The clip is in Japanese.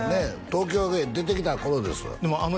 東京へ出てきた頃です